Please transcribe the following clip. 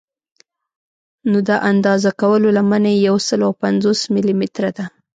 نو د اندازه کولو لمنه یې یو سل او پنځوس ملي متره ده.